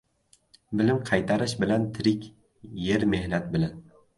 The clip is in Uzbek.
• Bilim qaytarish bilan tirik, yer — mehnat bilan.